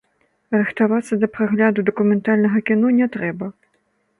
Рыхтавацца да прагляду дакументальнага кіно не трэба.